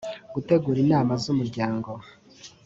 gutegura inama z umuryango